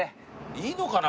いいのかな？